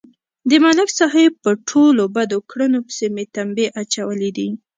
د ملک صاحب په ټولو بدو کړنو پسې مې تمبې اچولې دي